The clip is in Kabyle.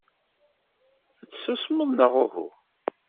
Ad tsusmeḍ neɣ uhu?